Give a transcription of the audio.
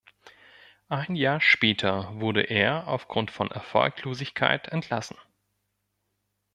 Ein Jahr später wurde er aufgrund von Erfolglosigkeit entlassen.